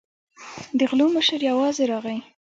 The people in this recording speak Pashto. د غلو مشر یوازې راغی.